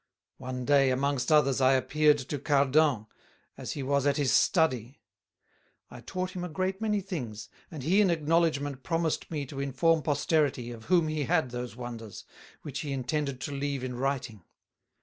One Day, amongst others, I appeared to Cardan, as he was at his Study; I taught him a great many things, and he in acknowledgment promised me to inform Posterity of whom he had those Wonders, which he intended to leave in writing.